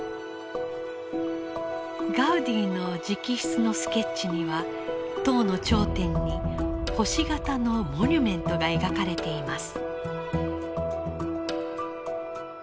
ガウディの直筆のスケッチには塔の頂点に星形のモニュメントが描かれています。